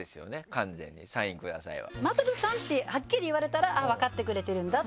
完全に「サインください」は。